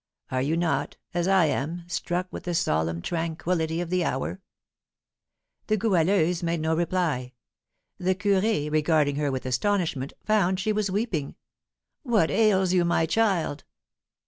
Are you not, as I am, struck with the solemn tranquillity of the hour?" The Goualeuse made no reply. The curé, regarding her with astonishment, found she was weeping. "What ails you, my child?"